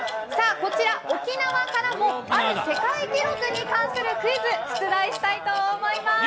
こちら沖縄からもある世界記録に関するクイズ出題したいと思います。